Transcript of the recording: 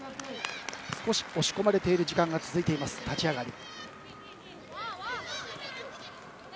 少し押し込まれている時間が続く立ち上がり。